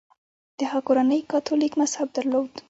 د هغه کورنۍ کاتولیک مذهب درلود.